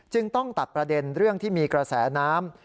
ต้องตัดประเด็นเรื่องที่มีกระแสน้ำ